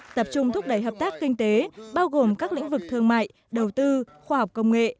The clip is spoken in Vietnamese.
tập trung thúc đẩy hợp tác kinh tế bao gồm các lĩnh vực thương mại đầu tư khoa học công nghệ